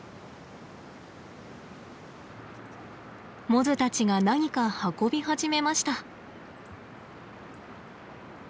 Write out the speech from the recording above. モズたちが何か運び始めました。